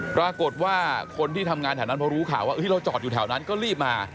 ปรากฏว่าคนที่ทำงานแถวนั้นพอรู้ข่าวว่าเราจอดอยู่แถวนั้นก็รีบมา